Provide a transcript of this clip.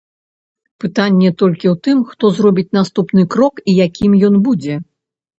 Пытанне толькі ў тым, хто зробіць наступны крок і якім ён будзе.